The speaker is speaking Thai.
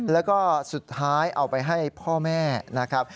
แล้วก็สุดท้ายเอาไปให้พ่อแม่นะครับ